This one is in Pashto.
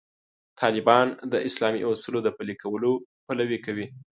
طالبان د اسلامي اصولو د پلي کولو پلوي کوي.